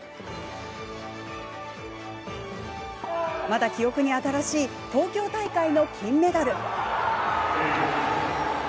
まだ記憶に新しい東京大会の金メダル。